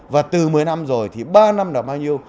và từ một mươi năm rồi thì ba năm là bao nhiêu